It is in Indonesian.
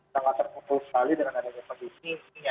sangat terpukul sekali dengan adanya pandemi ini ya